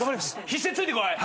必死でついてこい。